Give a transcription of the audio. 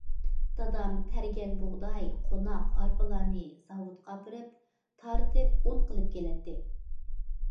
دادام تەرگەن بۇغداي، قوناق، ئارپىلارنى زاۋۇتقا ئاپىرىپ تارتىپ ئۇن قىلىپ كېلەتتى.